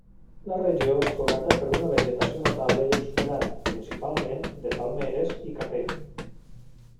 La regió és coberta per una vegetació notable i exuberant, principalment de palmeres i cafè.